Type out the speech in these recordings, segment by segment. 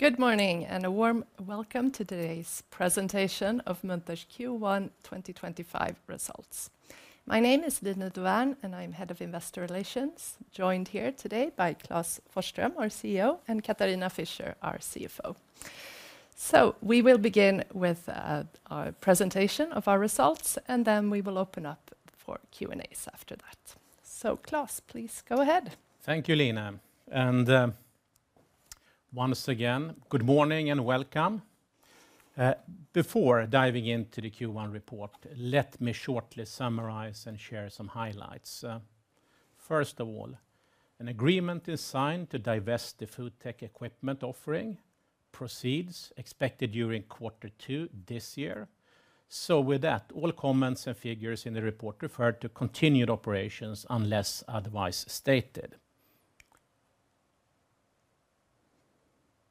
Good morning and a warm welcome to today's presentation of Munters Q1 2025 results. My name is Line Dovärn, and I'm Head of Investor Relations, joined here today by Klas Forsström, our CEO, and Katharina Fischer, our CFO. We will begin with a presentation of our results, and then we will open up for Q&As after that. Klas, please go ahead. Thank you, Line. Once again, good morning and welcome. Before diving into the Q1 report, let me shortly summarize and share some highlights. First of all, an agreement is signed to divest the FoodTech equipment offering, proceeds expected during quarter two this year. With that, all comments and figures in the report refer to continued operations unless otherwise stated.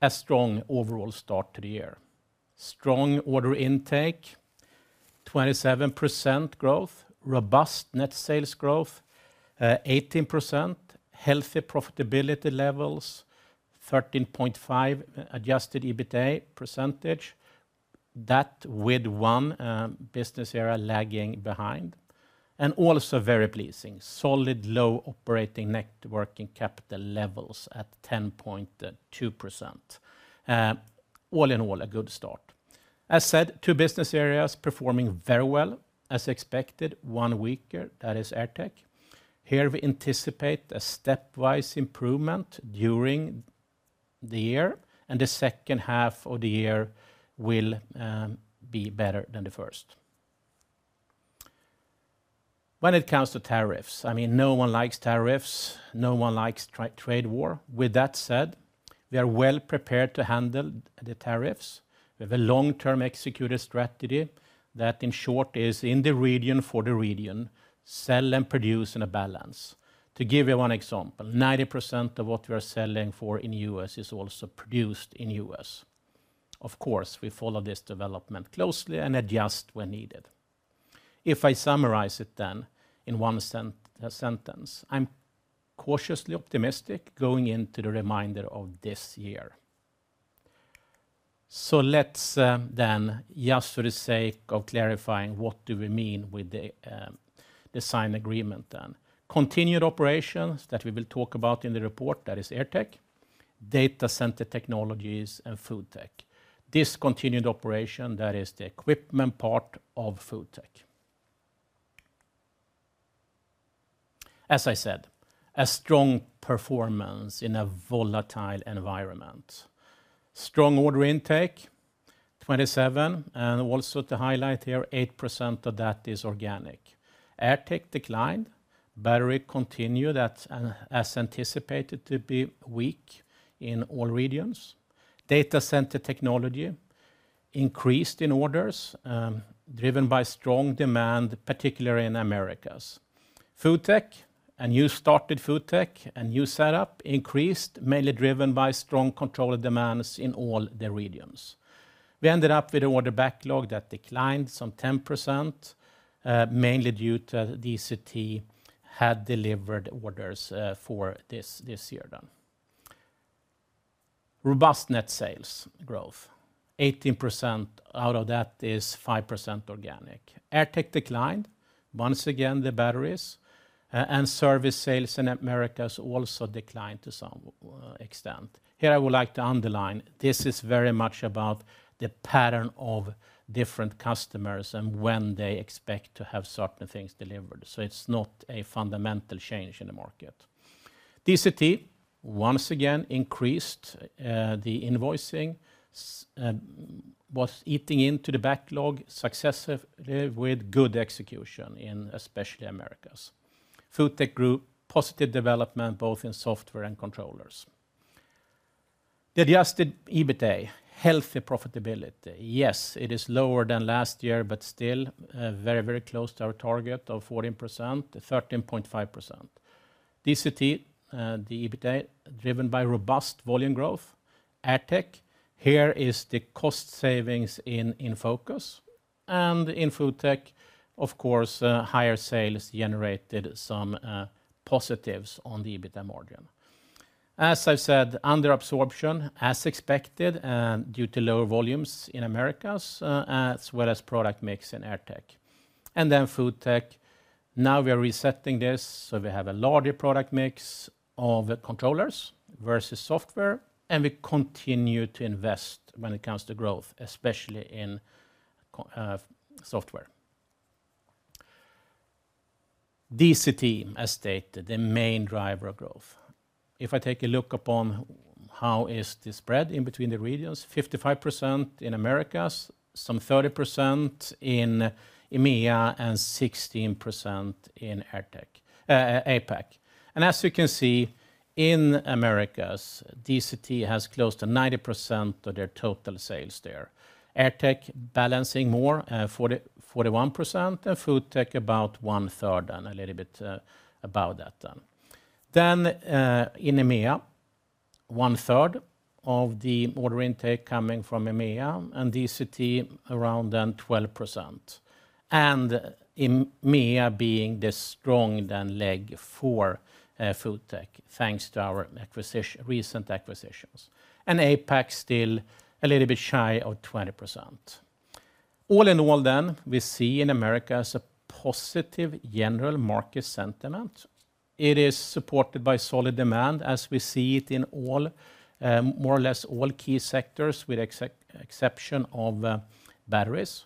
A strong overall start to the year. Strong order intake, 27% growth, robust net sales growth, 18%, healthy profitability levels, 13.5% adjusted EBITDA percentage. That with one business area lagging behind. Also very pleasing, solid low operating working capital levels at 10.2%. All in all, a good start. As said, two business areas performing very well, as expected, one weaker, that is AirTech. Here we anticipate a stepwise improvement during the year, and the second half of the year will be better than the first. When it comes to tariffs, I mean, no one likes tariffs, no one likes trade war. With that said, we are well prepared to handle the tariffs. We have a long-term executed strategy that in short is in the region for the region, sell and produce in a balance. To give you one example, 90% of what we are selling for in the U.S. is also produced in the U.S. Of course, we follow this development closely and adjust when needed. If I summarize it then in one sentence, I'm cautiously optimistic going into the reminder of this year. Just for the sake of clarifying, what do we mean with the signed agreement then? Continued operations that we will talk about in the report, that is AirTech, Data Center Technologies, and FoodTech. Discontinued operation, that is the equipment part of FoodTech. As I said, a strong performance in a volatile environment. Strong order intake, 27%, and also to highlight here, 8% of that is organic. AirTech declined, battery continued, that's as anticipated to be weak in all regions. Data Center Technologies increased in orders, driven by strong demand, particularly in the Americas. FoodTech, a new started FoodTech, a new setup, increased, mainly driven by strong control of demands in all the regions. We ended up with an order backlog that declined some 10%, mainly due to DCT had delivered orders for this year then. Robust net sales growth, 18% out of that is 5% organic. AirTech declined, once again the batteries, and service sales in the Americas also declined to some extent. Here I would like to underline, this is very much about the pattern of different customers and when they expect to have certain things delivered. It is not a fundamental change in the market. DCT, once again, increased the invoicing, was eating into the backlog successively with good execution in especially the Americas. FoodTech grew, positive development both in software and controllers. The adjusted EBITDA, healthy profitability, yes, it is lower than last year, but still very, very close to our target of 14%, 13.5%. DCT, the EBITDA, driven by robust volume growth. AirTech, here is the cost savings in focus. In FoodTech, of course, higher sales generated some positives on the EBITDA margin. As I have said, under absorption, as expected, due to lower volumes in the Americas, as well as product mix in AirTech. In FoodTech, now we are resetting this, so we have a larger product mix of controllers versus software, and we continue to invest when it comes to growth, especially in software. DCT, as stated, the main driver of growth. If I take a look upon how is the spread in between the regions, 55% in the Americas, some 30% in EMEA, and 16% in APAC. As you can see, in the Americas, DCT has close to 90% of their total sales there. AirTech balancing more, 41%, and FoodTech about one third, and a little bit about that then. In EMEA, one third of the order intake coming from EMEA, and DCT around then 12%. EMEA being the strong then leg for FoodTech, thanks to our recent acquisitions. APAC still a little bit shy of 20%. All in all then, we see in the Americas a positive general market sentiment. It is supported by solid demand, as we see it in more or less all key sectors with the exception of batteries.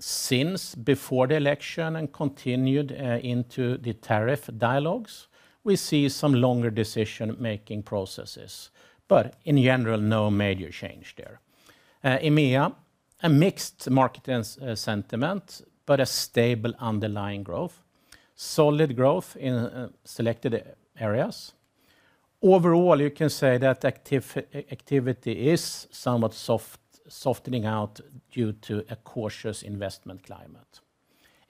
Since before the election and continued into the tariff dialogues, we see some longer decision-making processes. In general, no major change there. EMEA, a mixed market sentiment, but a stable underlying growth, solid growth in selected areas. Overall, you can say that activity is somewhat softening out due to a cautious investment climate.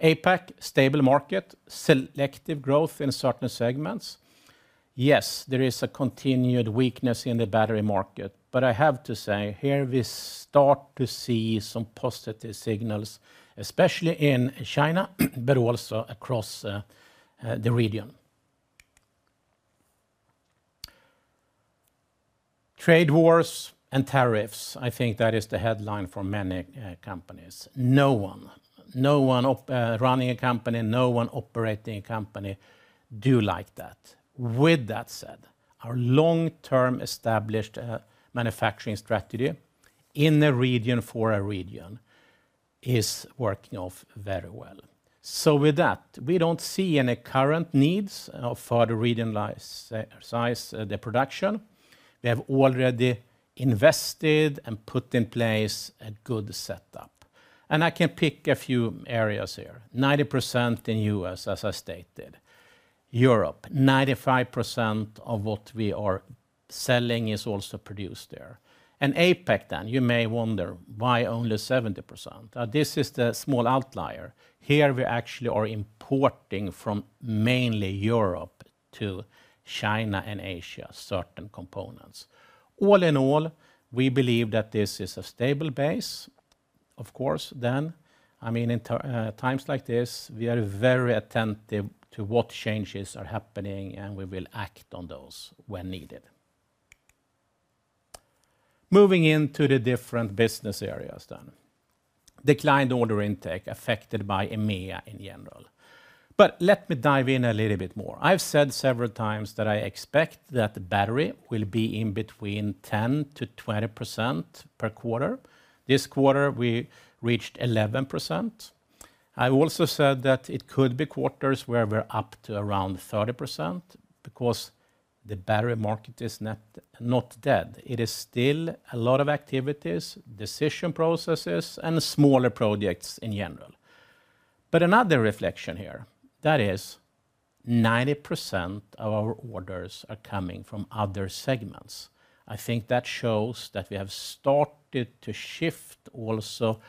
APAC, stable market, selective growth in certain segments. Yes, there is a continued weakness in the battery market, but I have to say here we start to see some positive signals, especially in China, but also across the region. Trade wars and tariffs, I think that is the headline for many companies. No one, no one running a company, no one operating a company do like that. With that said, our long-term established manufacturing strategy in a region for a region is working off very well. With that, we do not see any current needs for the region size, the production. We have already invested and put in place a good setup. I can pick a few areas here, 90% in the U.S., as I stated. Europe, 95% of what we are selling is also produced there. APAC then, you may wonder why only 70%. This is the small outlier. Here we actually are importing from mainly Europe to China and Asia, certain components. All in all, we believe that this is a stable base, of course, then. I mean, in times like this, we are very attentive to what changes are happening, and we will act on those when needed. Moving into the different business areas then. Declined order intake affected by EMEA in general. Let me dive in a little bit more. I've said several times that I expect that the battery will be in between 10%-20% per quarter. This quarter we reached 11%. I also said that it could be quarters where we're up to around 30% because the battery market is not dead. It is still a lot of activities, decision processes, and smaller projects in general. Another reflection here, that is 90% of our orders are coming from other segments. I think that shows that we have started to shift also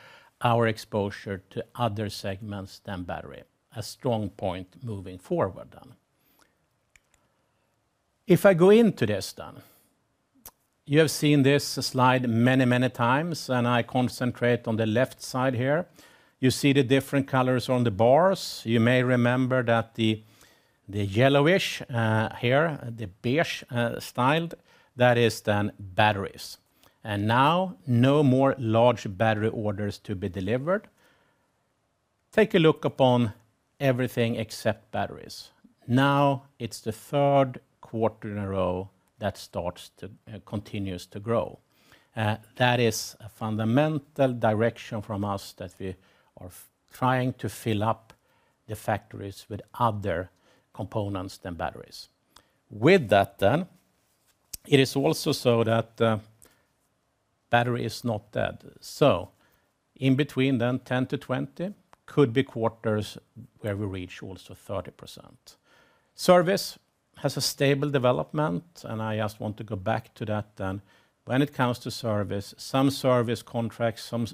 our exposure to other segments than battery. A strong point moving forward then. If I go into this then, you have seen this slide many, many times, and I concentrate on the left side here. You see the different colors on the bars. You may remember that the yellowish here, the beige styled, that is then batteries. And now no more large battery orders to be delivered. Take a look upon everything except batteries. Now it is the third quarter in a row that starts to continue to grow. That is a fundamental direction from us that we are trying to fill up the factories with other components than batteries. With that then, it is also so that battery is not dead. In between then, 10%-20% could be quarters where we reach also 30%. Service has a stable development, and I just want to go back to that then. When it comes to Service, some Service contracts, some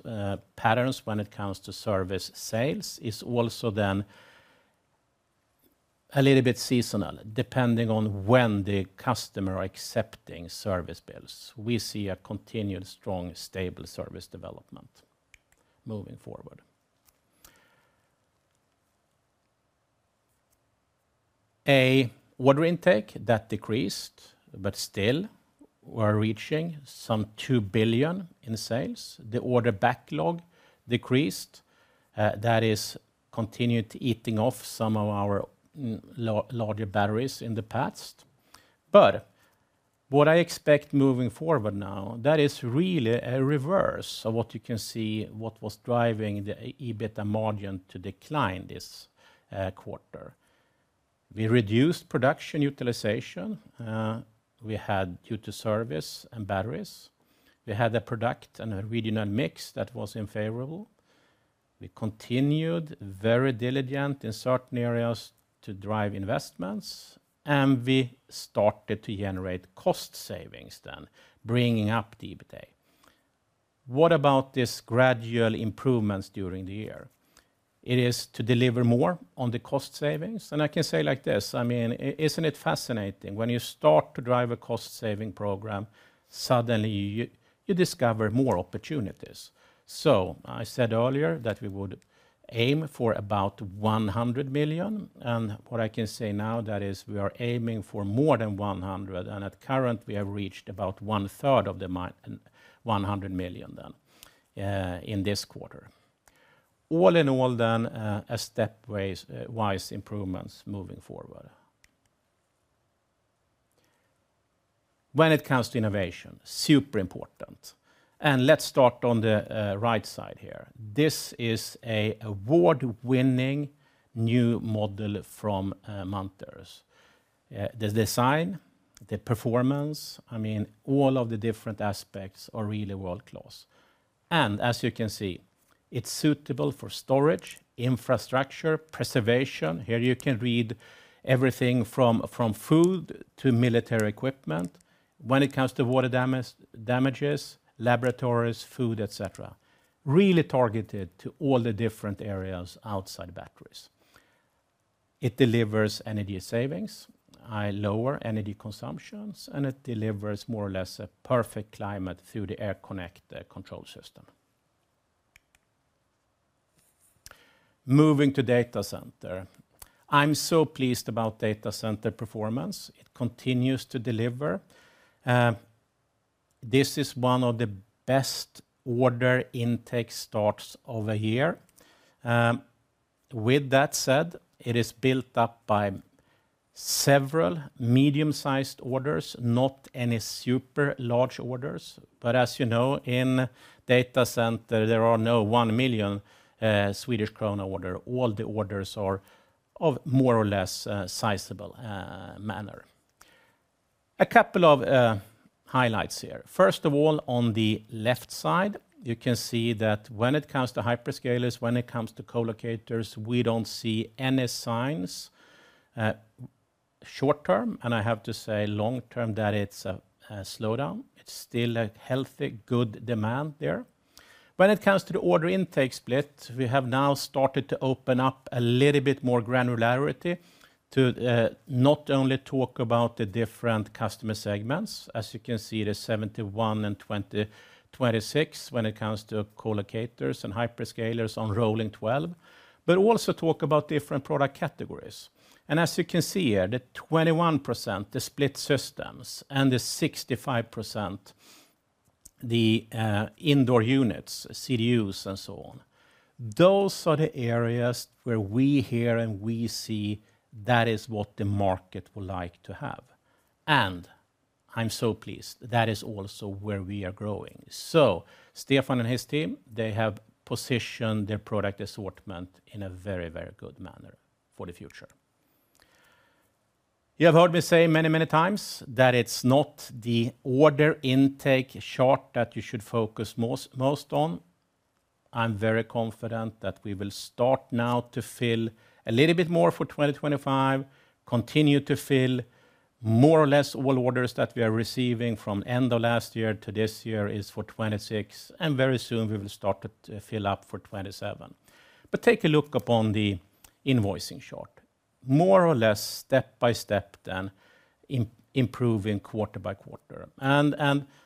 patterns when it comes to Service sales is also then a little bit seasonal, depending on when the customer are accepting Service bills. We see a continued strong, stable Service development moving forward. An order intake that decreased, but still we are reaching some $2 billion in sales. The order backlog decreased, that is continued eating off some of our larger batteries in the past. What I expect moving forward now, that is really a reverse of what you can see, what was driving the EBITDA margin to decline this quarter. We reduced production utilization we had due to Service and batteries. We had a product and a regional mix that was unfavorable. We continued very diligent in certain areas to drive investments, and we started to generate cost savings then, bringing up the EBITDA. What about these gradual improvements during the year? It is to deliver more on the cost savings. I can say like this, I mean, isn't it fascinating when you start to drive a cost saving program, suddenly you discover more opportunities. I said earlier that we would aim for about 100 million. What I can say now is we are aiming for more than 100. At current, we have reached about 1/3 of the 100 million in this quarter. All in all, a stepwise improvement moving forward. When it comes to innovation, super important. Let's start on the right side here. This is an award-winning new model from Munters. The design, the performance, I mean, all of the different aspects are really world-class. As you can see, it is suitable for storage, infrastructure, preservation. Here you can read everything from food to military equipment. When it comes to water damages, laboratories, food, etc., really targeted to all the different areas outside batteries. It delivers energy savings, lower energy consumption, and it delivers more or less a perfect climate through the air-connect control system. Moving Data Center, I am so pleased about Data Center performance. It continues to deliver. This is one of the best order intake starts of a year. With that said, it is built up by several medium-sized orders, not any super large orders. As you know, in Data Center, there are no 1 million Swedish krona orders. All the orders are of more or less sizable manner. A couple of highlights here. First of all, on the left side, you can see that when it comes to hyperscalers, when it comes to co-locators, we do not see any signs short term, and I have to say long term, that it is a slowdown. It is still a healthy, good demand there. When it comes to the order intake split, we have now started to open up a little bit more granularity to not only talk about the different customer segments. As you can see, there's 71 and 26 when it comes to co-locators and hyperscalers on rolling 12, but also talk about different product categories. As you can see here, the 21%, the split systems, and the 65%, the indoor units, CDUs, and so on. Those are the areas where we hear and we see that is what the market would like to have. I'm so pleased that is also where we are growing. Stefan and his team, they have positioned their product assortment in a very, very good manner for the future. You have heard me say many, many times that it's not the order intake chart that you should focus most on. I'm very confident that we will start now to fill a little bit more for 2025, continue to fill more or less all orders that we are receiving from the end of last year to this year is for 2026, and very soon we will start to fill up for 2027. Take a look upon the invoicing chart. More or less step by step then improving quarter by quarter.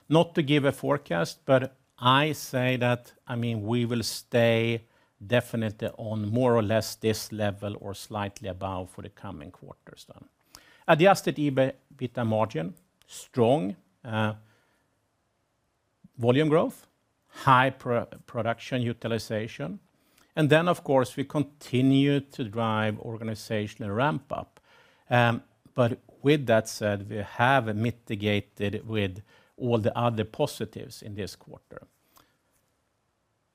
Not to give a forecast, but I say that I mean we will stay definitely on more or less this level or slightly above for the coming quarters then. Adjusted EBITDA margin, strong volume growth, high production utilization. Of course we continue to drive organizational ramp-up. With that said, we have mitigated with all the other positives in this quarter.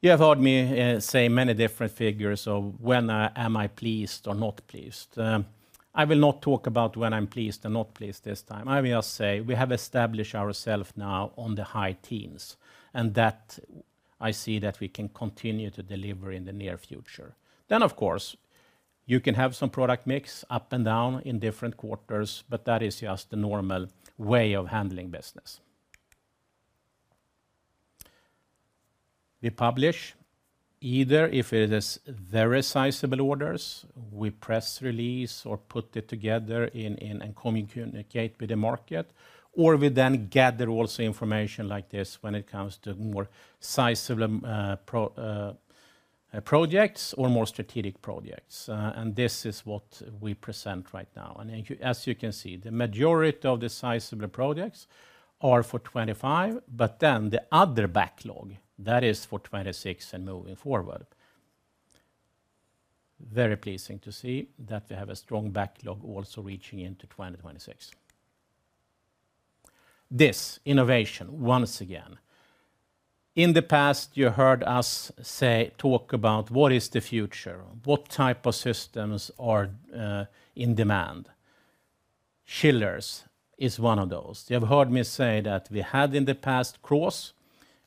You have heard me say many different figures of when am I pleased or not pleased. I will not talk about when I'm pleased and not pleased this time. I will just say we have established ourselves now on the high teens. I see that we can continue to deliver in the near future. Of course, you can have some product mix up and down in different quarters, but that is just the normal way of handling business. We publish either if it is very sizable orders, we press release or put it together and communicate with the market, or we then gather also information like this when it comes to more sizable projects or more strategic projects. This is what we present right now. As you can see, the majority of the sizable projects are for 2025, but the other backlog is for 2026 and moving forward. Very pleasing to see that we have a strong backlog also reaching into 2026. This innovation, once again, in the past you heard us talk about what is the future, what type of systems are in demand. Chillers is one of those. You have heard me say that we had in the past CRAHS.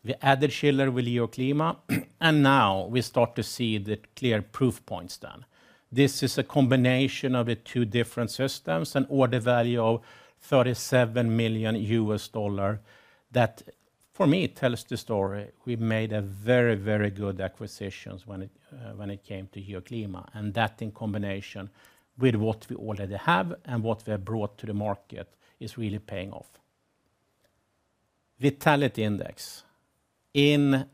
We added chiller with Geoclima, and now we start to see the clear proof points then. This is a combination of two different systems, an order value of $37 million that for me tells the story we made a very, very good acquisition when it came to Geoclima. That in combination with what we already have and what we have brought to the market is really paying off. Vitality index. In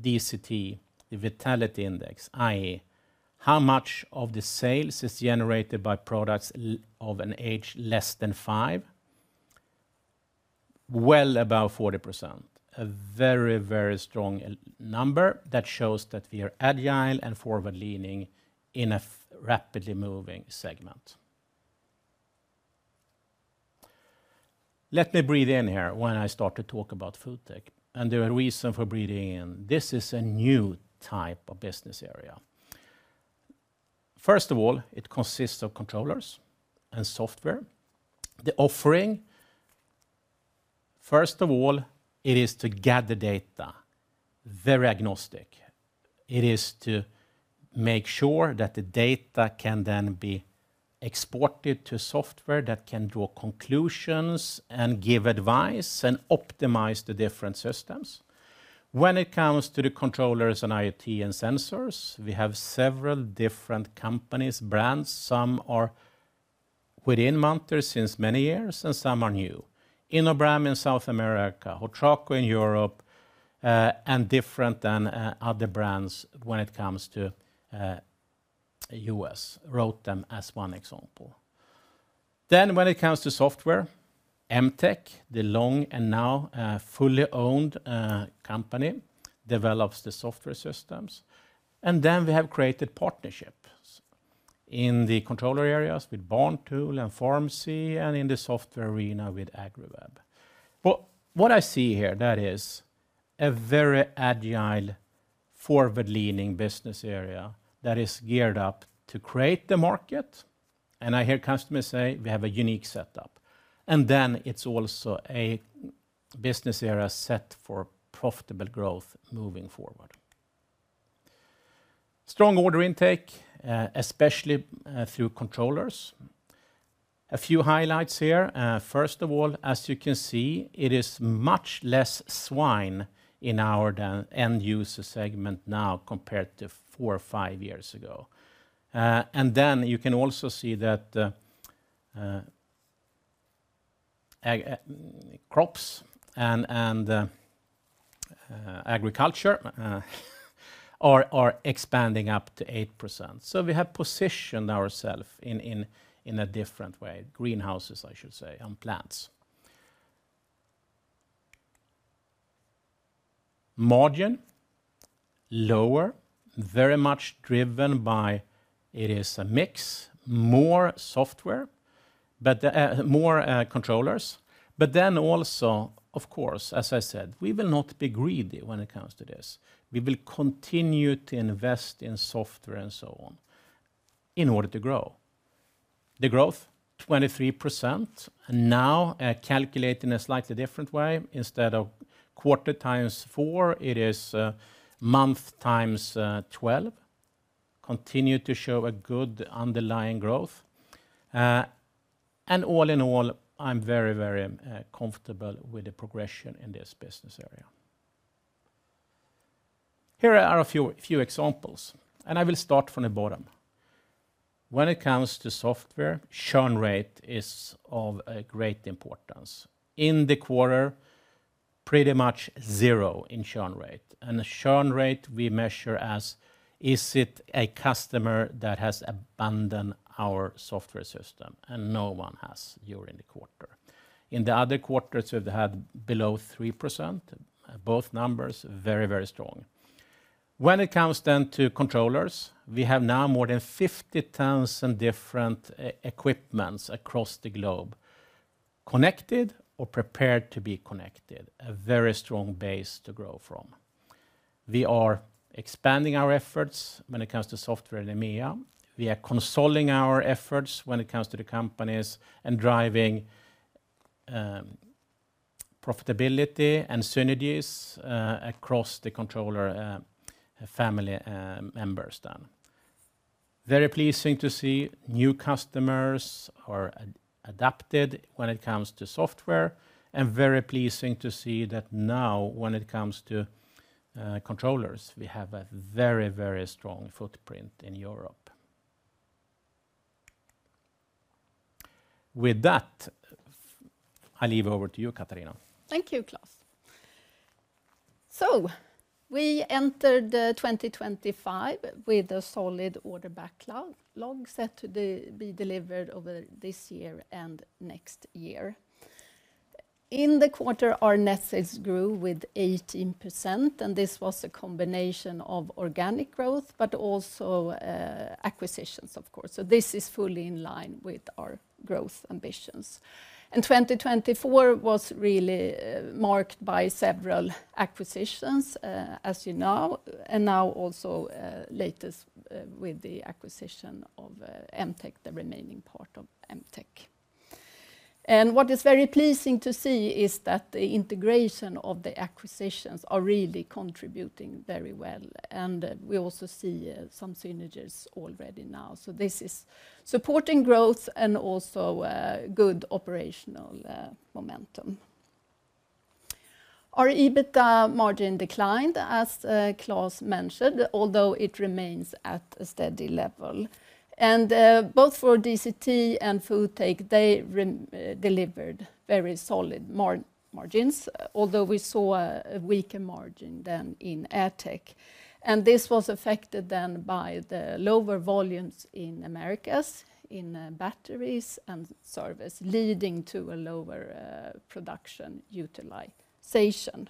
DCT, the vitality index, i.e., how much of the sales is generated by products of an age less than five, is well above 40%. A very, very strong number that shows that we are agile and forward-leaning in a rapidly moving segment. Let me breathe in here when I start to talk about FoodTech. The reason for breathing in, this is a new type of business area. First of all, it consists of controllers and software. The offering, first of all, is to gather data, very agnostic. It is to make sure that the data can then be exported to software that can draw conclusions and give advice and optimize the different systems. When it comes to the controllers and IoT and sensors, we have several different companies, brands. Some are within Munters since many years, and some are new. InoBram in South America, Hotraco in Europe, and different than other brands when it comes to U.S., wrote them as one example. When it comes to software, Emtech, the long and now fully owned company develops the software systems. We have created partnerships in the controller areas with BarnTools and FarmSee and in the software arena with AgriWebb. What I see here, that is a very agile, forward-leaning business area that is geared up to create the market. I hear customers say we have a unique setup. It is also a business area set for profitable growth moving forward. Strong order intake, especially through controllers. A few highlights here. First of all, as you can see, it is much less swine in our end user segment now compared to four or five years ago. You can also see that crops and agriculture are expanding up to 8%. We have positioned ourselves in a different way, greenhouses, I should say, and plants. Margin, lower, very much driven by it is a mix, more software, but more controllers. Of course, as I said, we will not be greedy when it comes to this. We will continue to invest in software and so on in order to grow. The growth, 23%. Now calculating a slightly different way. Instead of quarter x four, it is month x 12. Continue to show a good underlying growth. All in all, I'm very, very comfortable with the progression in this business area. Here are a few examples, and I will start from the bottom. When it comes to software, churn rate is of great importance. In the quarter, pretty much zero in churn rate. And churn rate we measure as is it a customer that has abandoned our software system and no one has during the quarter. In the other quarters, we've had below 3%. Both numbers, very, very strong. When it comes then to controllers, we have now more than 50,000 different equipments across the globe connected or prepared to be connected. A very strong base to grow from. We are expanding our efforts when it comes to software in EMEA. We are consoling our efforts when it comes to the companies and driving profitability and synergies across the controller family members then. Very pleasing to see new customers are adapted when it comes to software. Very pleasing to see that now when it comes to controllers, we have a very, very strong footprint in Europe. With that, I leave it over to you, Katharina. Thank you, Klas. We entered 2025 with a solid order backlog set to be delivered over this year and next year. In the quarter, our net sales grew with 18%, and this was a combination of organic growth, but also acquisitions, of course. This is fully in line with our growth ambitions. 2024 was really marked by several acquisitions, as you know, and now also latest with the acquisition of MTech, the remaining part of MTech. What is very pleasing to see is that the integration of the acquisitions are really contributing very well. We also see some synergies already now. This is supporting growth and also good operational momentum. Our EBITDA margin declined, as Klas mentioned, although it remains at a steady level. Both for DCT and FoodTech, they delivered very solid margins, although we saw a weaker margin than in AirTech. This was affected then by the lower volumes in Americas in batteries and service, leading to a lower production utilization.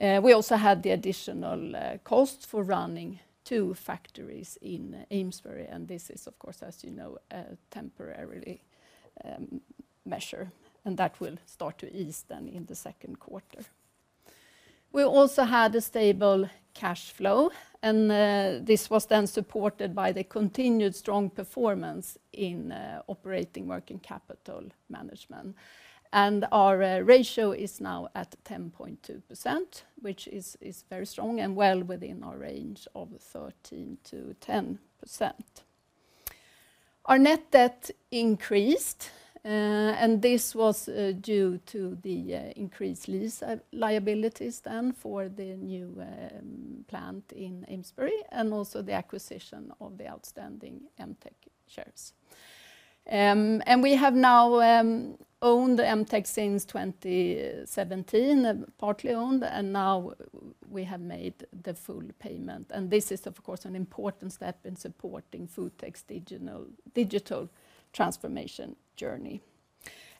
We also had the additional costs for running two factories in Amesbury, and this is, of course, as you know, a temporary measure, and that will start to ease then in the second quarter. We also had a stable cash flow, and this was then supported by the continued strong performance in operating working capital management. Our ratio is now at 10.2%, which is very strong and well within our range of 13%-10%. Our net debt increased, and this was due to the increased lease liabilities for the new plant in Amesbury and also the acquisition of the outstanding MTech shares. We have now owned MTech since 2017, partly owned, and now we have made the full payment. This is, of course, an important step in supporting FoodTech's digital transformation journey.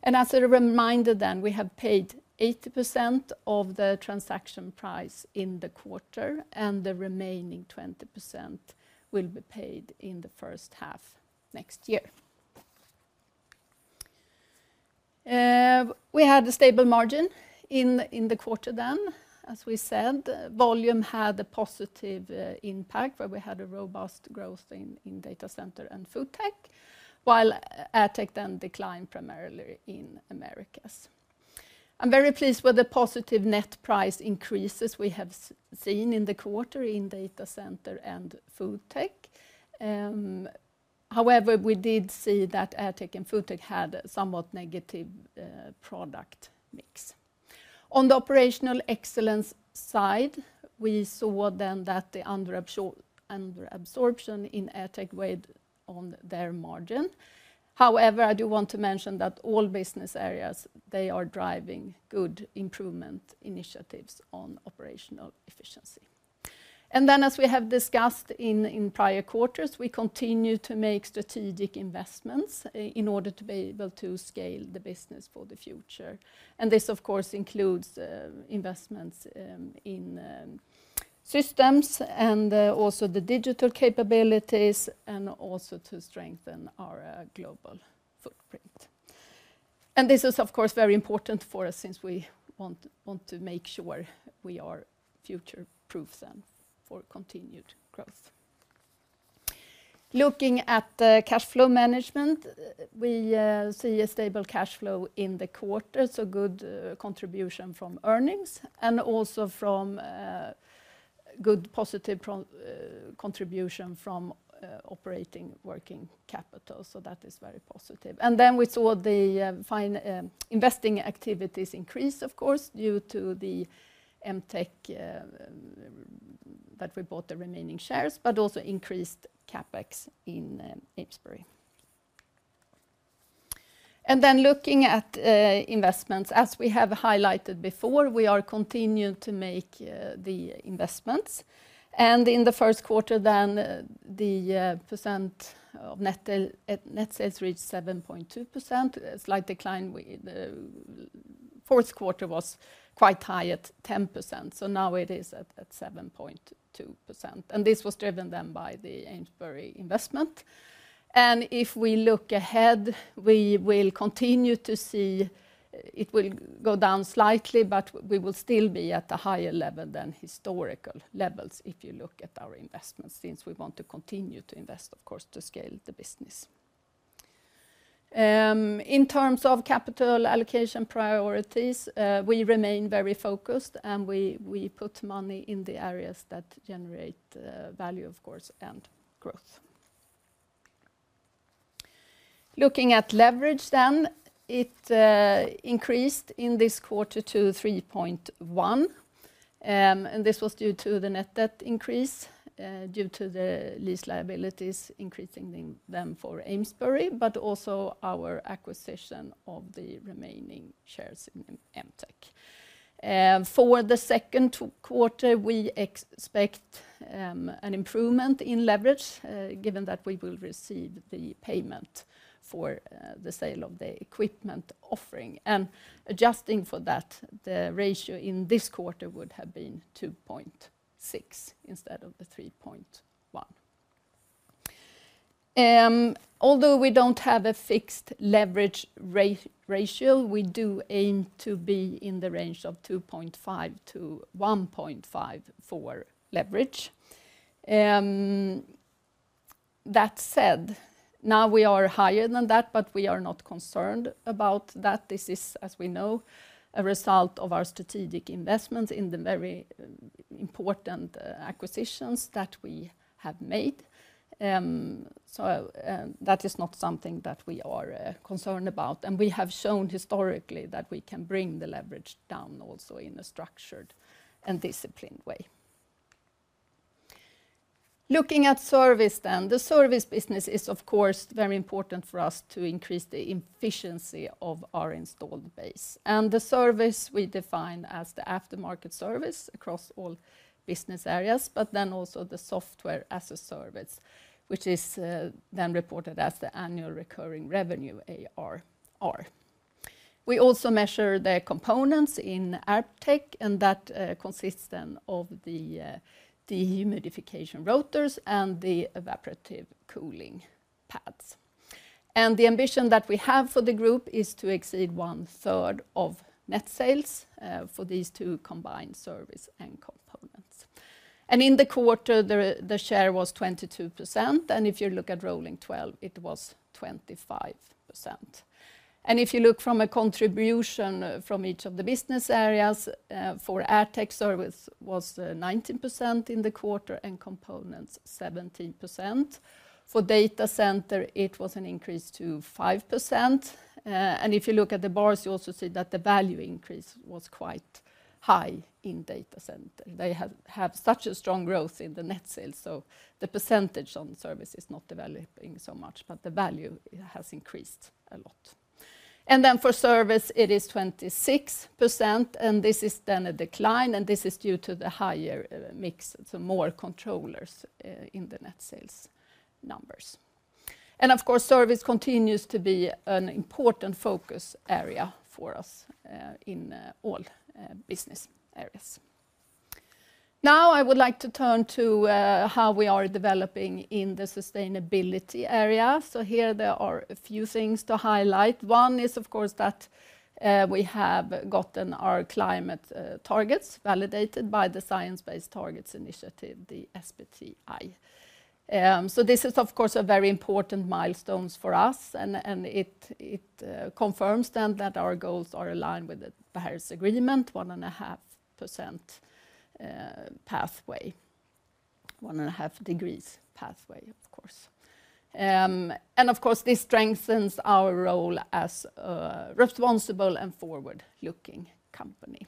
As a reminder, we have paid 80% of the transaction price in the quarter, and the remaining 20% will be paid in the first half next year. We had a stable margin in the quarter, as we said. Volume had a positive impact where we had robust growth in Data Center and FoodTech, while AirTech declined primarily in Americas. I am very pleased with the positive net price increases we have seen in the quarter in Data Center and FoodTech. However, we did see that AirTech and FoodTech had a somewhat negative product mix. On the operational excellence side, we saw then that the underabsorption in AirTech weighed on their margin. I do want to mention that all business areas, they are driving good improvement initiatives on operational efficiency. As we have discussed in prior quarters, we continue to make strategic investments in order to be able to scale the business for the future. This, of course, includes investments in systems and also the digital capabilities and also to strengthen our global footprint. This is, of course, very important for us since we want to make sure we are future-proof then for continued growth. Looking at cash flow management, we see a stable cash flow in the quarter, good contribution from earnings and also from good positive contribution from operating working capital. That is very positive. We saw the investing activities increase, of course, due to MTech that we bought the remaining shares, but also increased CapEx in Amesbury. Looking at investments, as we have highlighted before, we are continuing to make the investments. In the first quarter, the percent of net sales reached 7.2%, a slight decline. The fourth quarter was quite high at 10%. Now it is at 7.2%. This was driven by the Amesbury investment. If we look ahead, we will continue to see it go down slightly, but we will still be at a higher level than historical levels if you look at our investments since we want to continue to invest, of course, to scale the business. In terms of capital allocation priorities, we remain very focused and we put money in the areas that generate value, of course, and growth. Looking at leverage then, it increased in this quarter to 3.1. This was due to the net debt increase due to the lease liabilities increasing for Amesbury, but also our acquisition of the remaining shares in MTech. For the second quarter, we expect an improvement in leverage given that we will receive the payment for the sale of the equipment offering. Adjusting for that, the ratio in this quarter would have been 2.6 instead of the 3.1. Although we do not have a fixed leverage ratio, we do aim to be in the range of 1.5-2.5 for leverage. That said, now we are higher than that, but we are not concerned about that. This is, as we know, a result of our strategic investments in the very important acquisitions that we have made. That is not something that we are concerned about. We have shown historically that we can bring the leverage down also in a structured and disciplined way. Looking at service then, the service business is, of course, very important for us to increase the efficiency of our installed base. The service we define as the aftermarket service across all business areas, but then also the software as a service, which is then reported as the annual recurring revenue ARR. We also measure the components in AirTech, and that consists then of the dehumidification rotors and the evaporative cooling pads. The ambition that we have for the group is to exceed one third of net sales for these two combined service and components. In the quarter, the share was 22%. If you look at rolling 12, it was 25%. If you look from a contribution from each of the business areas, for AirTech, service was 19% in the quarter and components 17%. For Data Center, it was an increase to 5%. If you look at the bars, you also see that the value increase was quite high in Data Center. They have such a strong growth in the net sales. The percentage on service is not developing so much, but the value has increased a lot. For service, it is 26%, and this is a decline, and this is due to the higher mix, so more controllers in the net sales numbers. Of course, Service continues to be an important focus area for us in all business areas. Now I would like to turn to how we are developing in the sustainability area. There are a few things to highlight. One is, of course, that we have gotten our climate targets validated by the Science-Based Targets Initiative, the SBTI. This is, of course, a very important milestone for us, and it confirms that our goals are aligned with the Paris Agreement, one and a half degrees pathway, of course. This strengthens our role as a responsible and forward-looking company.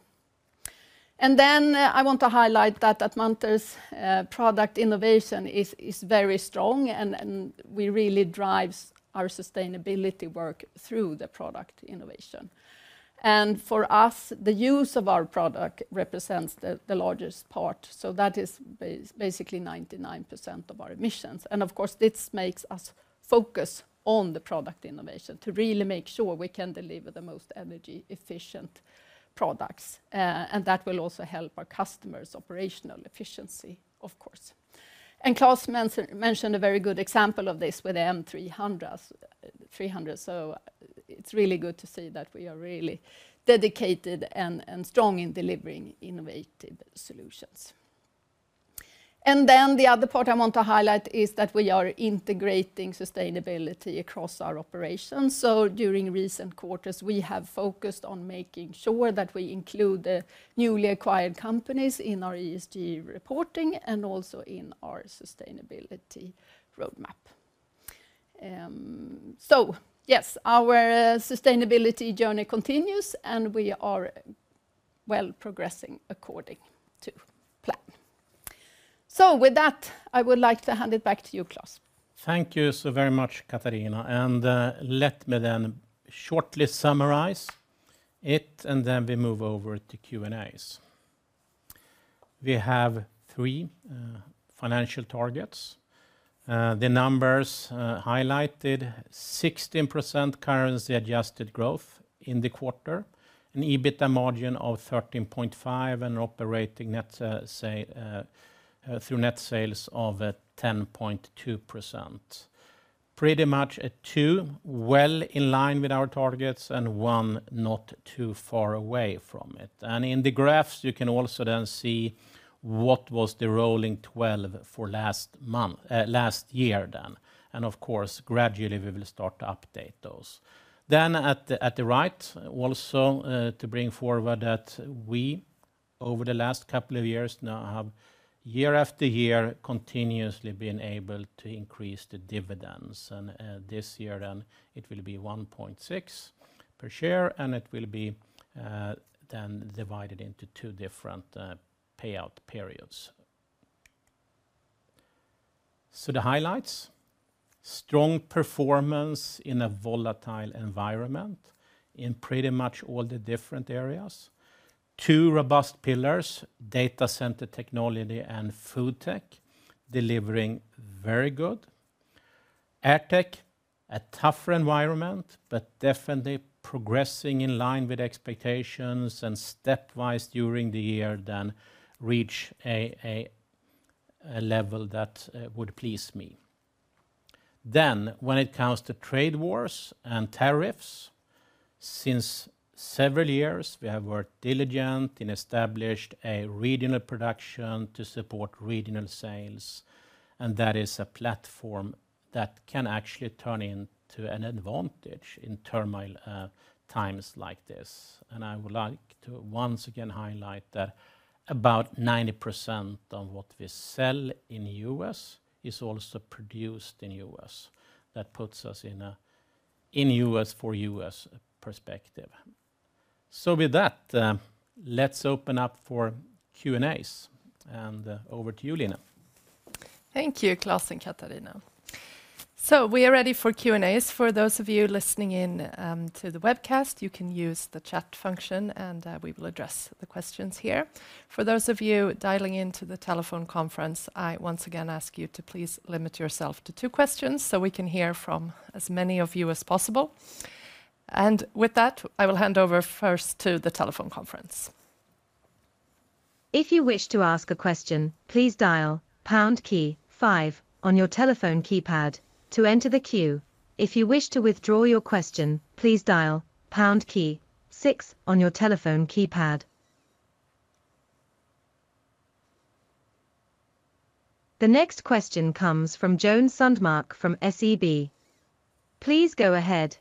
I want to highlight that Munters' product innovation is very strong, and we really drive our sustainability work through the product innovation. For us, the use of our product represents the largest part. That is basically 99% of our emissions. Of course, this makes us focus on the product innovation to really make sure we can deliver the most energy-efficient products. That will also help our customers' operational efficiency, of course. Klas mentioned a very good example of this with M300. It is really good to see that we are really dedicated and strong in delivering innovative solutions. The other part I want to highlight is that we are integrating sustainability across our operations. During recent quarters, we have focused on making sure that we include the newly acquired companies in our ESG reporting and also in our sustainability roadmap. Yes, our sustainability journey continues, and we are well progressing according to plan. With that, I would like to hand it back to you, Klas. Thank you so very much, Katharina. Let me then shortly summarize it, and then we move over to Q&As. We have three financial targets. The numbers highlighted 16% currency-adjusted growth in the quarter, an EBITDA margin of 13.5%, and operating net sales through net sales of 10.2%. Pretty much two well in line with our targets and one not too far away from it. In the graphs, you can also then see what was the rolling 12 for last month last year then. Of course, gradually we will start to update those. At the right, also to bring forward that we, over the last couple of years now, have year after year continuously been able to increase the dividends. This year then it will be 1.6 per share, and it will be then divided into two different payout periods. The highlights: strong performance in a volatile environment in pretty much all the different areas. Two robust pillars: Data Center technology and FoodTech delivering very good. AirTech, a tougher environment, but definitely progressing in line with expectations and stepwise during the year then reach a level that would please me. When it comes to trade wars and tariffs, since several years we have worked diligently and established a regional production to support regional sales. That is a platform that can actually turn into an advantage in turmoil times like this. I would like to once again highlight that about 90% of what we sell in the U.S. is also produced in the U.S. That puts us in a U.S. for U.S. perspective. With that, let's open up for Q&As. Over to you, Line. Thank you, Klas and Katharina. We are ready for Q&As. For those of you listening in to the webcast, you can use the chat function, and we will address the questions here. For those of you dialing into the telephone conference, I once again ask you to please limit yourself to two questions so we can hear from as many of you as possible. With that, I will hand over first to the telephone conference. If you wish to ask a question, please dial pound key five on your telephone keypad to enter the queue. If you wish to withdraw your question, please dial pound key six on your telephone keypad. The next question comes from Joen Sundmark from SEB. Please go ahead.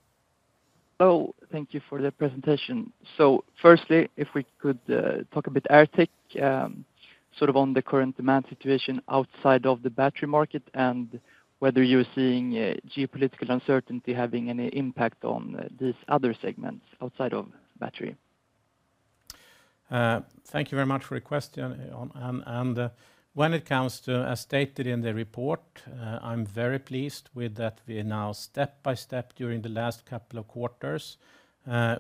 Hello. Thank you for the presentation. Firstly, if we could talk a bit AirTech, sort of on the current demand situation outside of the battery market and whether you're seeing geopolitical uncertainty having any impact on these other segments outside of battery. Thank you very much for your question. When it comes to, as stated in the report, I'm very pleased with that we now step by step during the last couple of quarters,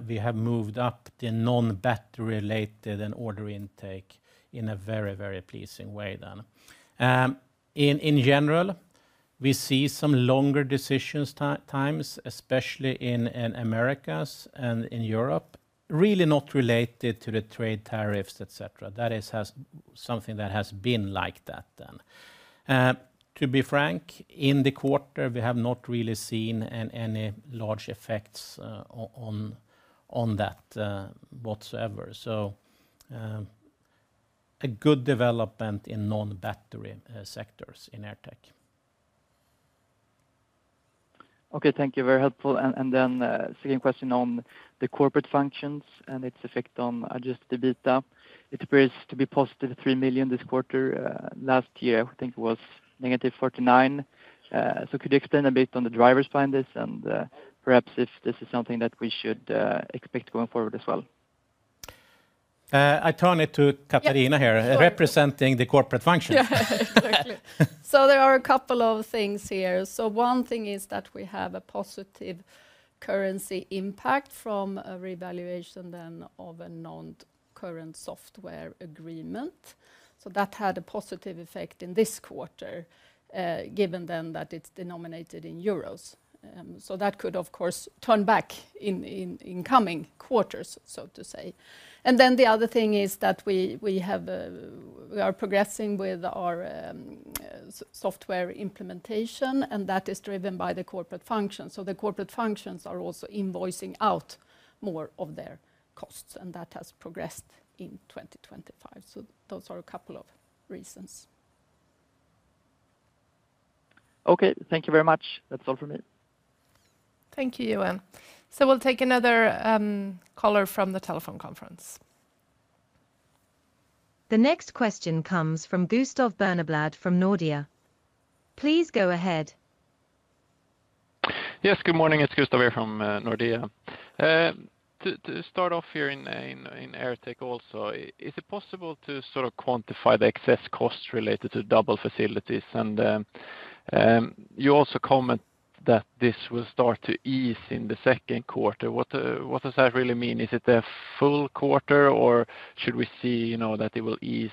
we have moved up the non-battery-related and order intake in a very, very pleasing way then. In general, we see some longer decision times, especially in Americas and in Europe, really not related to the trade tariffs, etc. That is something that has been like that then. To be frank, in the quarter, we have not really seen any large effects on that whatsoever. A good development in non-battery sectors in AirTech. Okay, thank you. Very helpful. Then second question on the corporate functions and its effect on adjusted EBITDA. It appears to be +3 million this quarter. Last year, I think it -49 million. Could you explain a bit on the drivers behind this and perhaps if this is something that we should expect going forward as well? I turn it to Katharina here, representing the corporate function. There are a couple of things here. One thing is that we have a positive currency impact from a revaluation of a non-current software agreement. That had a positive effect in this quarter, given that it is denominated in euros. That could, of course, turn back in coming quarters, so to say. The other thing is that we are progressing with our software implementation, and that is driven by the corporate functions. The corporate functions are also invoicing out more of their costs, and that has progressed in 2025. Those are a couple of reasons. Okay, thank you very much. That's all for me. Thank you, Joen. We'll take another caller from the telephone conference. The next question comes from Gustav Berneblad from Nordea. Please go ahead. Yes, good morning. It's Gustav here from Nordea. To start off here in AirTech also, is it possible to sort of quantify the excess costs related to double facilities? You also comment that this will start to ease in the second quarter. What does that really mean? Is it a full quarter, or should we see that it will ease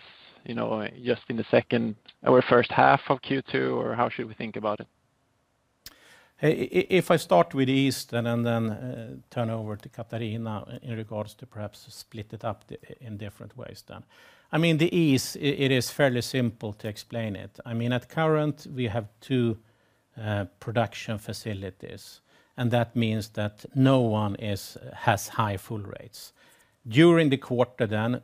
just in the second or first half of Q2, or how should we think about it? If I start with ease and then turn over to Katharina in regards to perhaps split it up in different ways then. I mean, the ease, it is fairly simple to explain it. I mean, at current, we have two production facilities, and that means that no one has high full rates. During the quarter then,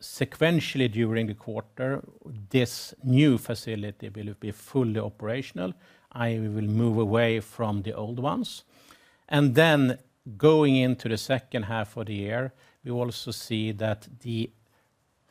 sequentially during the quarter, this new facility will be fully operational. I will move away from the old ones. Going into the second half of the year, we also see that the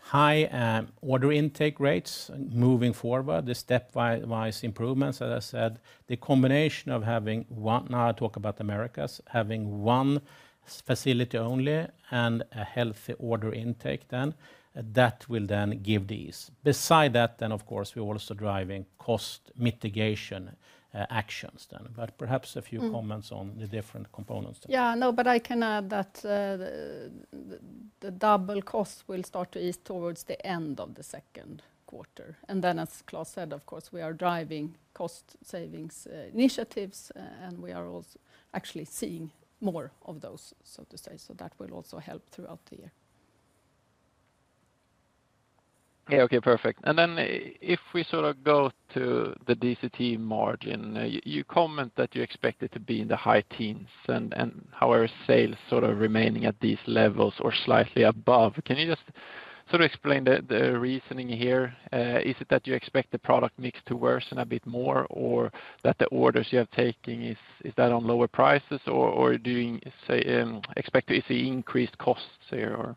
high order intake rates moving forward, the stepwise improvements, as I said, the combination of having one, now I talk about Americas, having one facility only and a healthy order intake then, that will then give these. Beside that then, of course, we're also driving cost mitigation actions then. Perhaps a few comments on the different components. Yeah, no, but I can add that the double costs will start to ease towards the end of the second quarter. As Klas said, of course, we are driving cost savings initiatives, and we are also actually seeing more of those, so to say, so that will also help throughout the year. Yeah, okay, perfect. If we sort of go to the DCT margin, you comment that you expect it to be in the high teens and however sales sort of remaining at these levels or slightly above. Can you just sort of explain the reasoning here? Is it that you expect the product mix to worsen a bit more or that the orders you have taking, is that on lower prices or do you expect to see increased costs here?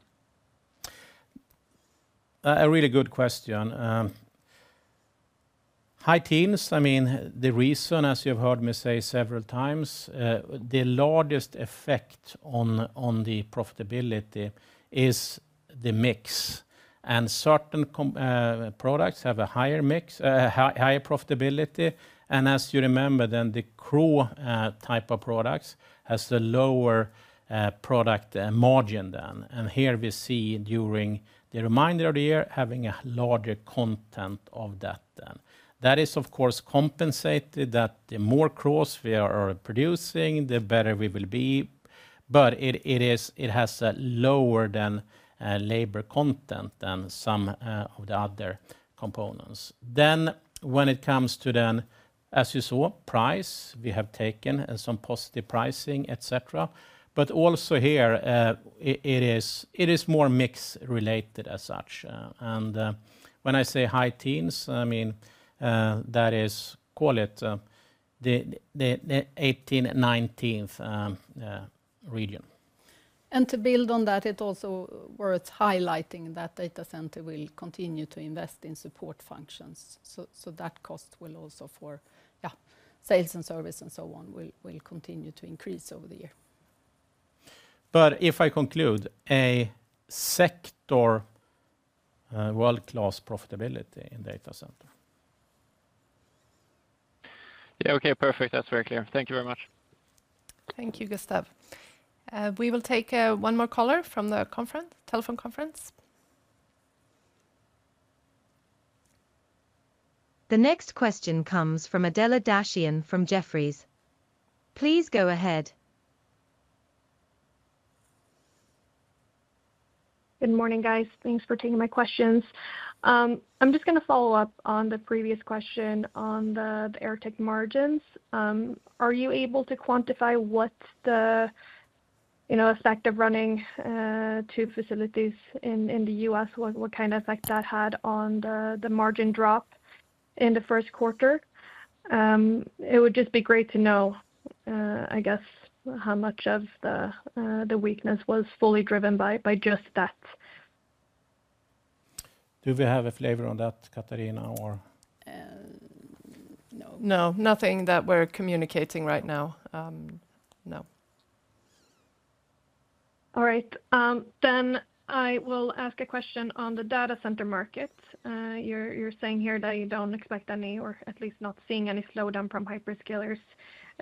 A really good question. High teens, I mean, the reason, as you've heard me say several times, the largest effect on the profitability is the mix. Certain products have a higher profitability. As you remember, the core type of products has a lower product margin then. We see during the remainder of the year having a larger content of that then. That is, of course, compensated that the more cores we are producing, the better we will be. It has a lower than labor content than some of the other components. When it comes to, as you saw, price, we have taken some positive pricing, etc. Also here, it is more mix related as such. When I say high teens, I mean, that is, call it the 18%-19% region. To build on that, it is also worth highlighting that Data Center will continue to invest in support functions. That cost will also for, yeah, sales and service and so on will continue to increase over the year. If I conclude a sector world-class profitability in Data Center. Yeah, okay, perfect. That is very clear. Thank you very much. Thank you, Gustav. We will take one more caller from the telephone conference. The next question comes from Adela Dashian from Jefferies. Please go ahead. Good morning, guys. Thanks for taking my questions. I am just going to follow up on the previous question on the AirTech margins. Are you able to quantify what the effect of running two facilities in the U.S., what kind of effect that had on the margin drop in the first quarter? It would just be great to know, I guess, how much of the weakness was fully driven by just that. Do we have a flavor on that, Katharina, or? No. No, nothing that we're communicating right now. No. All right. I will ask a question on the Data Center market. You're saying here that you don't expect any or at least not seeing any slowdown from hyperscalers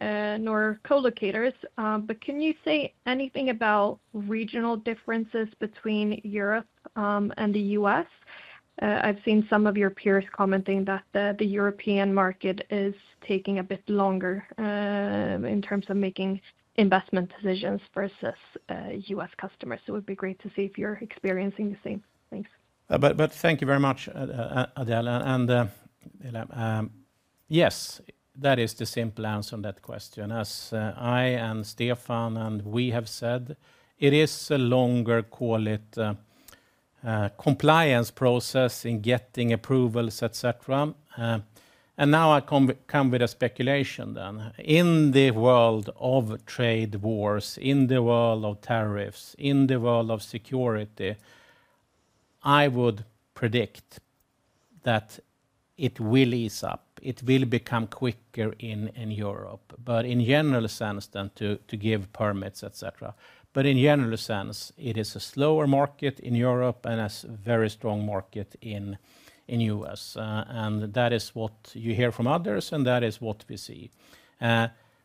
nor colocators. Can you say anything about regional differences between Europe and the U.S.? I've seen some of your peers commenting that the European market is taking a bit longer in terms of making investment decisions versus U.S. customers. It would be great to see if you're experiencing the same. Thanks. Thank you very much, Adela. Yes, that is the simple answer on that question. As I and Stefan and we have said, it is a longer, call it, compliance process in getting approvals, etc. Now I come with a speculation then. In the world of trade wars, in the world of tariffs, in the world of security, I would predict that it will ease up. It will become quicker in Europe. In general sense then, to give permits, etc. In general sense, it is a slower market in Europe and a very strong market in the U.S.. That is what you hear from others, and that is what we see.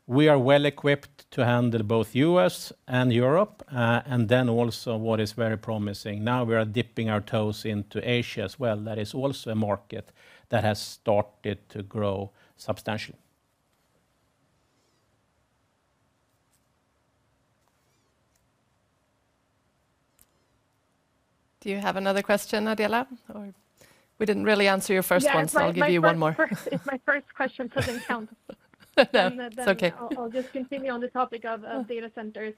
We are well equipped to handle both the U.S. and Europe. Also what is very promising, now we are dipping our toes into Asia as well. That is also a market that has started to grow substantially. Do you have another question, Adela? We did not really answer your first one, so I will give you one more. My first question does not count. It is okay. I will just continue on the topic of Data Centers.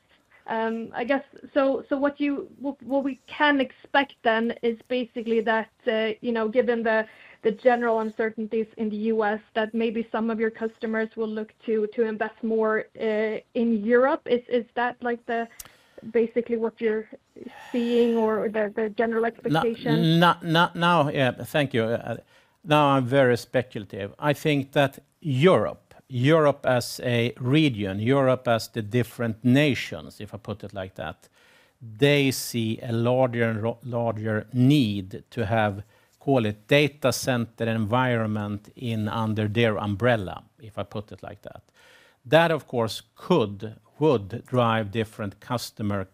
I guess, so what we can expect then is basically that given the general uncertainties in the U.S., that maybe some of your customers will look to invest more in Europe. Is that basically what you are seeing or the general expectation? No, thank you. No, I am very speculative. I think that Europe, Europe as a region, Europe as the different nations, if I put it like that, they see a larger and larger need to have, call it, Data Center environment under their umbrella, if I put it like that. That, of course, could drive different customers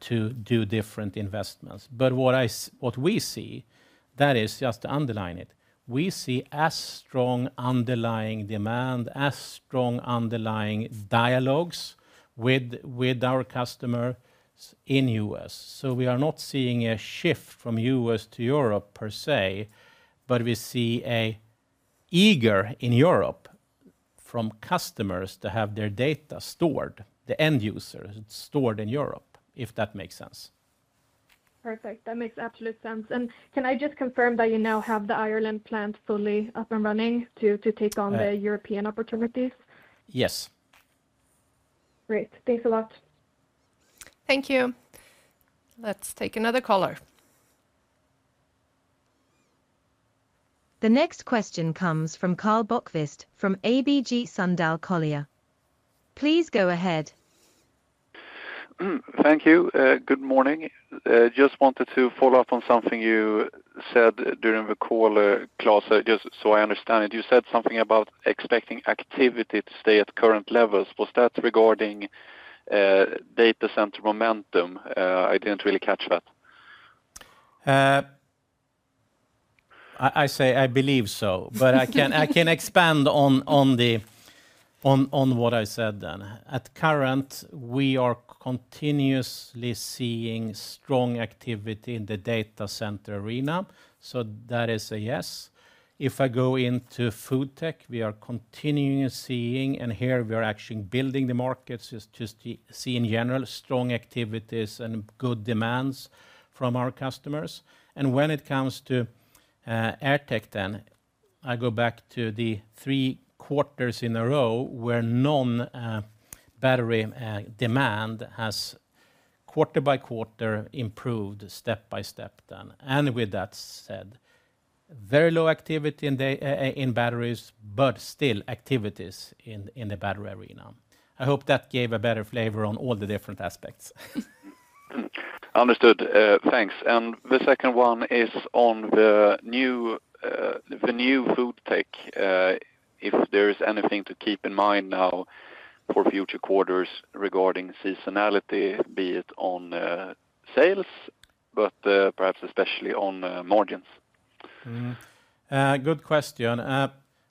to do different investments. What we see, that is just to underlining, we see a strong underlying demand, a strong underlying dialogue with our customers in the U.S.. We are not seeing a shift from the U.S. to Europe per se, but we see an eagerness in Europe from customers to have their data stored, the end users stored in Europe, if that makes sense. Perfect. That makes absolute sense. Can I just confirm that you now have the Ireland plant fully up and running to take on the European opportunities? Yes. Great. Thanks a lot. Thank you. Let's take another caller. The next question comes from Karl Bokvist from ABG Sundal Collier. Please go ahead. Thank you. Good morning. Just wanted to follow up on something you said during the call, Klas, just so I understand it. You said something about expecting activity to stay at current levels. Was that regarding Data Center momentum? I didn't really catch that. I say I believe so, but I can expand on what I said then. At current, we are continuously seeing strong activity in the Data Center arena. That is a yes. If I go into FoodTech, we are continuing seeing, and here we are actually building the markets just to see in general strong activities and good demands from our customers. When it comes to AirTech then, I go back to the three quarters in a row where non-battery demand has quarter by quarter improved step by step then. With that said, very low activity in batteries, but still activities in the battery arena. I hope that gave a better flavor on all the different aspects. Understood. Thanks. The second one is on the new FoodTech, if there is anything to keep in mind now for future quarters regarding seasonality, be it on sales, but perhaps especially on margins. Good question.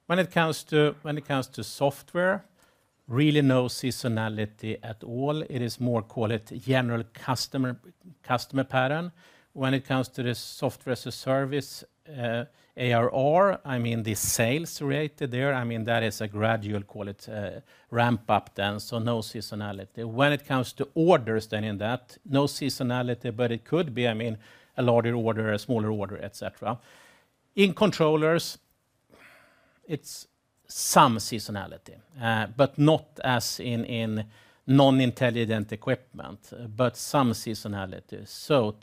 When it comes to software, really no seasonality at all. It is more called a general customer pattern. When it comes to the software as a service, ARR, I mean the sales related there, I mean that is a gradual ramp-up then, so no seasonality. When it comes to orders then in that, no seasonality, but it could be, I mean, a larger order, a smaller order, etc. In controllers, it's some seasonality, but not as in non-intelligent equipment, but some seasonality.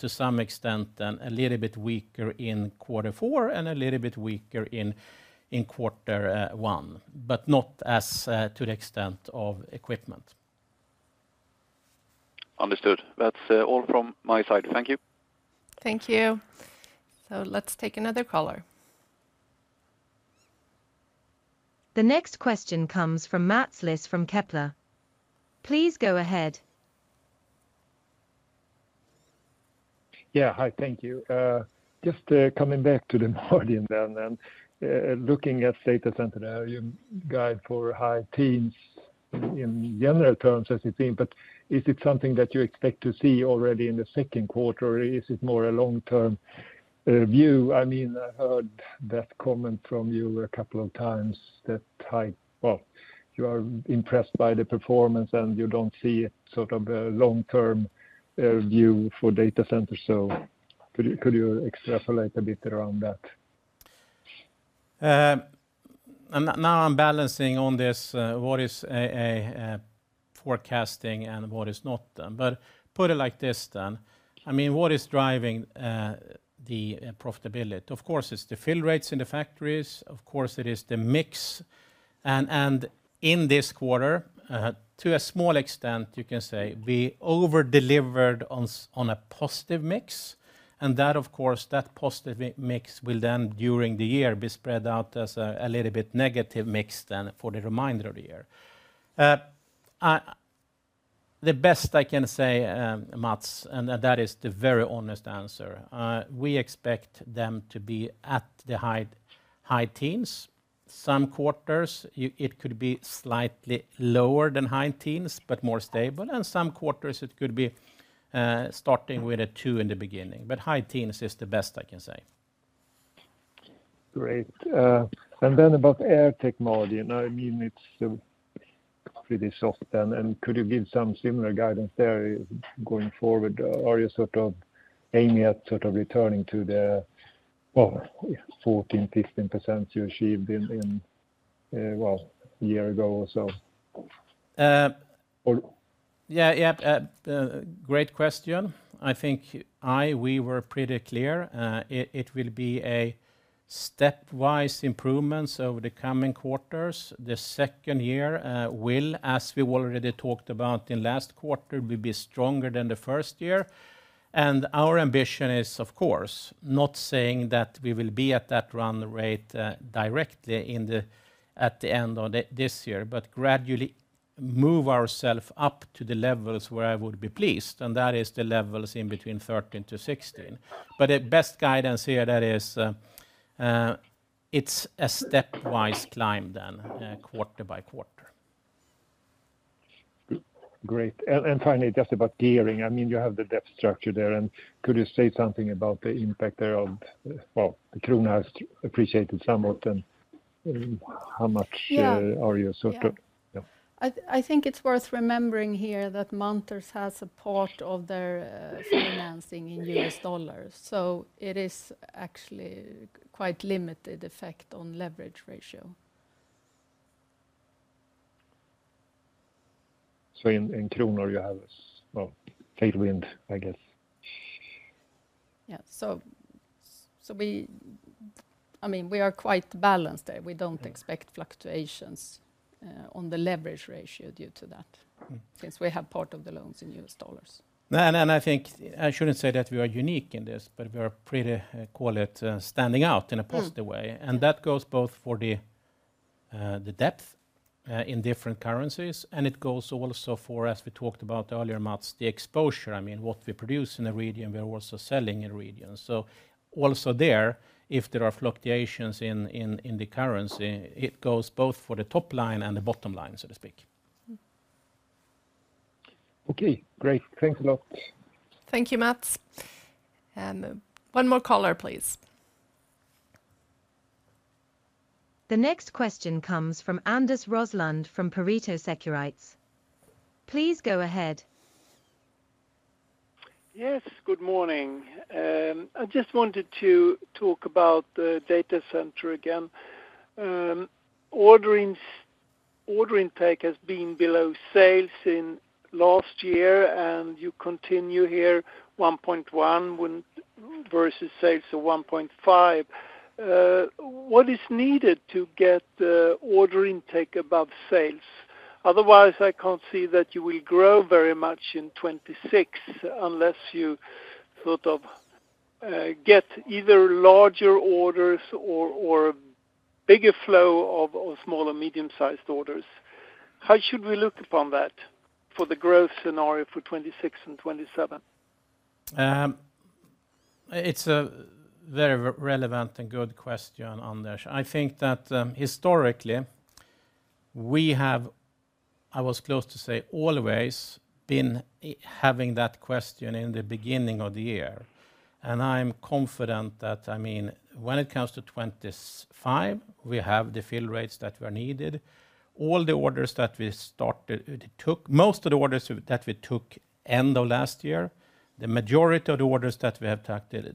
To some extent, then a little bit weaker in quarter four and a little bit weaker in quarter one, but not as to the extent of equipment. Understood. That's all from my side. Thank you. Thank you. Let's take another caller. The next question comes from Mats Liss from Kepler. Please go ahead. Yeah, hi, thank you. Just coming back to the margin then and looking at Data Center guide for high teens in general terms as it seems, but is it something that you expect to see already in the second quarter or is it more a long-term view? I mean, I heard that comment from you a couple of times that, you are impressed by the performance and you don't see sort of a long-term view for Data Centers. Could you extrapolate a bit around that? Now I'm balancing on this, what is forecasting and what is not. Put it like this then. I mean, what is driving the profitability? Of course, it's the fill rates in the factories. Of course, it is the mix. In this quarter, to a small extent, you can say we over-delivered on a positive mix. That positive mix will then during the year be spread out as a little bit negative mix for the remainder of the year. The best I can say, Mats, and that is the very honest answer. We expect them to be at the high teens. Some quarters, it could be slightly lower than high teens, but more stable. Some quarters, it could be starting with a two in the beginning. High teens is the best I can say. Great. About air technology, I mean, it is pretty soft then. Could you give some similar guidance there going forward? Are you sort of aiming at sort of returning to the 14%-15% you achieved in, well, a year ago or so? Yeah, great question. I think we were pretty clear. It will be a stepwise improvement over the coming quarters. The second year will, as we already talked about in last quarter, be stronger than the first year. Our ambition is, of course, not saying that we will be at that run rate directly at the end of this year, but gradually move ourselves up to the levels where I would be pleased. That is the levels in between 13%-16%. The best guidance here is that it is a stepwise climb then, quarter by quarter. Great. Finally, just about gearing, I mean, you have the debt structure there. Could you say something about the impact there of, well, the krona has appreciated somewhat and how much are you sort of? I think it's worth remembering here that Munters has a part of their financing in U.S. dollars. So it is actually quite limited effect on leverage ratio. So in krona, you have tailwind, I guess. Yeah. I mean, we are quite balanced there. We do not expect fluctuations on the leverage ratio due to that since we have part of the loans in U.S. dollars. I think I should not say that we are unique in this, but we are pretty, call it, standing out in a positive way. That goes both for the debt in different currencies. It goes also for, as we talked about earlier, Mats, the exposure. I mean, what we produce in the region, we are also selling in the region. Also there, if there are fluctuations in the currency, it goes both for the top line and the bottom line, so to speak. Okay, great. Thanks a lot. Thank you, Mats. One more caller, please. The next question comes from Anders Roslund from Pareto Securities. Please go ahead. Yes, good morning. I just wanted to talk about the Data Center again. Order intake has been below sales in last year, and you continue here, 1.1 versus sales of 1.5. What is needed to get the order intake above sales? Otherwise, I can't see that you will grow very much in 2026 unless you sort of get either larger orders or a bigger flow of small and medium-sized orders. How should we look upon that for the growth scenario for 2026 and 2027? It's a very relevant and good question, Anders. I think that historically, we have, I was close to say, always been having that question in the beginning of the year. I'm confident that, I mean, when it comes to 2025, we have the fill rates that were needed. All the orders that we started, most of the orders that we took end of last year, the majority of the orders that we have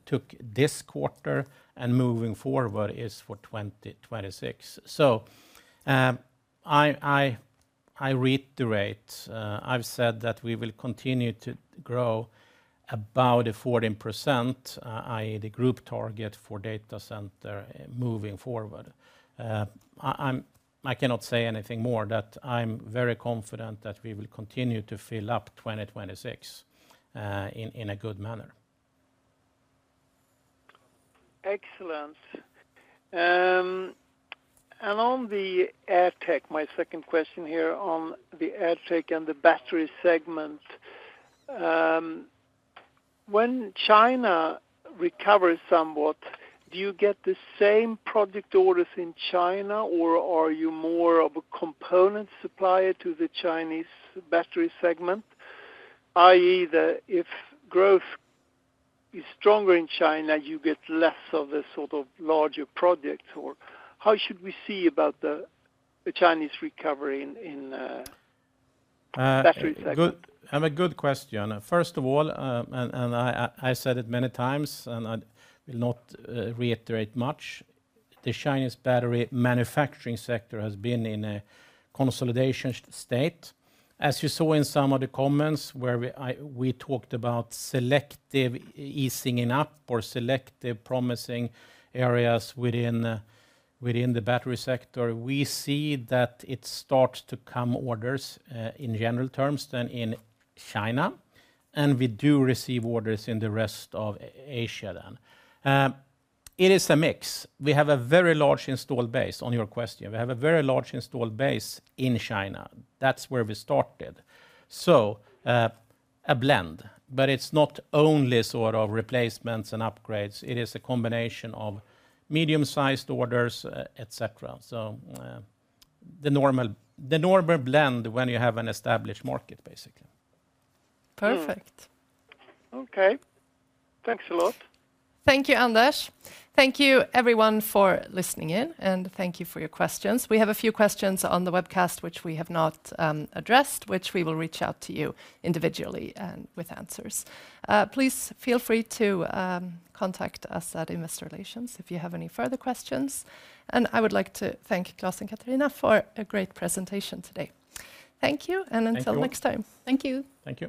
took this quarter and moving forward is for 2026. I reiterate, I've said that we will continue to grow about a 14%, i.e., the group target for Data Center moving forward. I cannot say anything more that I'm very confident that we will continue to fill up 2026 in a good manner. Excellent. My second question here on the AirTech and the battery segment. When China recovers somewhat, do you get the same project orders in China, or are you more of a component supplier to the Chinese battery segment? I.e., if growth is stronger in China, you get less of the sort of larger projects. How should we see about the Chinese recovery in battery sector? A good question. First of all, and I said it many times, I will not reiterate much, the Chinese battery manufacturing sector has been in a consolidation state. As you saw in some of the comments where we talked about selective easing up or selective promising areas within the battery sector, we see that it starts to come orders in general terms in China. We do receive orders in the rest of Asia then. It is a mix. We have a very large installed base. On your question, we have a very large installed base in China. That's where we started. A blend, but it's not only sort of replacements and upgrades. It is a combination of medium-sized orders, etc. The normal blend when you have an established market, basically. Perfect. Okay. Thanks a lot. Thank you, Anders. Thank you, everyone, for listening in, and thank you for your questions. We have a few questions on the webcast, which we have not addressed, which we will reach out to you individually with answers. Please feel free to contact us at Investor Relations if you have any further questions. I would like to thank Klas and Katharina for a great presentation today. Thank you, and until next time. Thank you. Thank you.